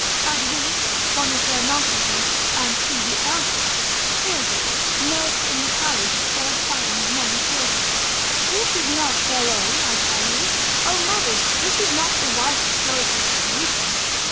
At this one of their multitude, and she the eldest, Pyrgo, nurse in the palace to all Priam's many children: 'This is not Beroë, I tell you, O mothers; this is not the wife of Doryclus of Rhoeteum.